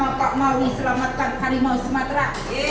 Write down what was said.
mari bersama pak maui selamatkan harimau sumatera